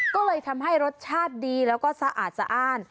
ก็เลยทำให้รสชาติดีแล้วก็สะอาดสะอ้าน